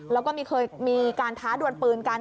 แล้วก็เคยมีการท้าดวนปืนกัน